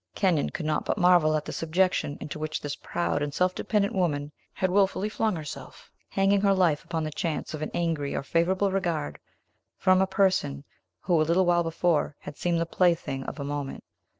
Kenyon could not but marvel at the subjection into which this proud and self dependent woman had willfully flung herself, hanging her life upon the chance of an angry or favorable regard from a person who, a little while before, had seemed the plaything of a moment.